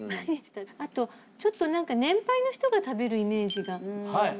あとちょっと何か年配の人が食べるイメージが。